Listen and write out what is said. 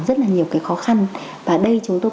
rất là nhiều cái khó khăn và đây chúng tôi